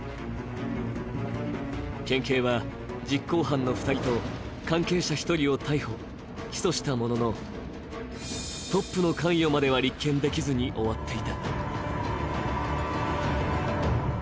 県警は実行犯の２人と関係者１人を逮捕・起訴したもののトップの関与までは立件できずに終わっていた。